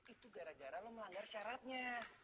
itu gara gara lo melanggar syaratnya